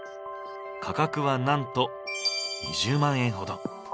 価格はなんと２０万円ほど。